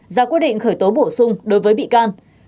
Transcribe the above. ra quyết định khởi tố bổ sung đối với bị can